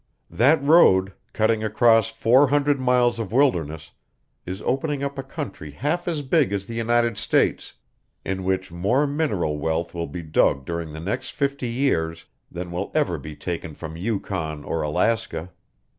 That road, cutting across four hundred miles of wilderness, is opening up a country half as big as the United States, in which more mineral wealth will be dug during the next fifty years than will ever be taken from Yukon or Alaska.